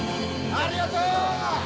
ありがとう。